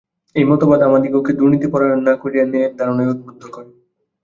এই মতবাদ আমাদিগকে দুর্নীতিপরায়ণ না করিয়া ন্যায়ের ধারণায় উদ্বুদ্ধ করে।